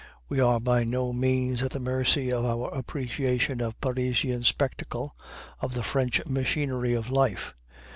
We are by no means at the mercy of our appreciation of Parisian spectacle, of the French machinery of life.